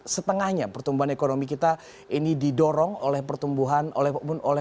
setengahnya pertumbuhan ekonomi kita ini didorong oleh pertumbuhan oleh